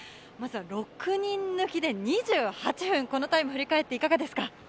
６人抜きで２８分、このタイムを振り返っていかがですか？